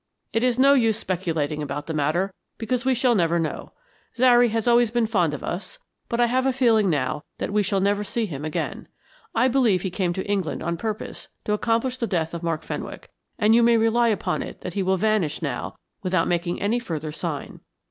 It is no use speculating about the matter, because we shall never know. Zary has been always fond of us, but I have a feeling now that we shall never see him again. I believe he came to England on purpose to accomplish the death of Mark Fenwick, and you may rely upon it that he will vanish now without making any further sign."